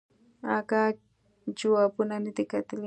اگه جوابونه ندي کتلي.